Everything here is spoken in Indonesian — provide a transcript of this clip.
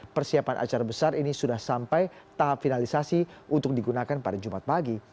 persiapan acara besar ini sudah sampai tahap finalisasi untuk digunakan pada jumat pagi